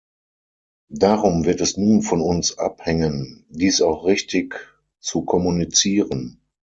Darum wird es nun von uns abhängen, dies auch richtig zu kommunizieren.